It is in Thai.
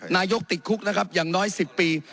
นายกติดคุกนะครับอย่างน้อย๑๐ปี